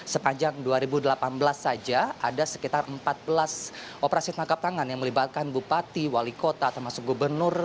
sepanjang dua ribu delapan belas saja ada sekitar empat belas operasi tangkap tangan yang melibatkan bupati wali kota termasuk gubernur